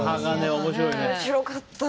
面白かった。